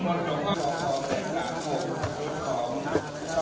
นักโมทรัพย์ภักวะโตอาระโตสัมมาสัมพุทธศาสตร์